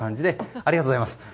ありがとうございます。